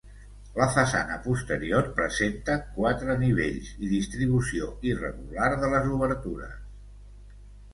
La façana posterior presenta quatre nivells i distribució irregular de les obertures.